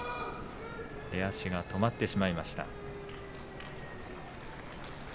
出足が止まってしまいました。